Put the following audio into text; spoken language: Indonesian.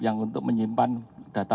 yang untuk menyimpan data